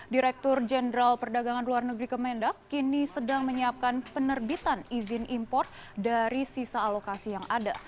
direktur jenderal perdagangan luar negeri kemendak kini sedang menyiapkan penerbitan izin impor dari sisa alokasi yang ada